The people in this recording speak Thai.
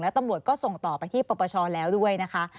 แล้วตำรวจก็ส่งต่อไปที่ประปเชิญแล้วด้วยนะคะ